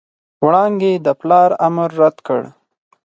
وړانګې د پلار امر رد کړ.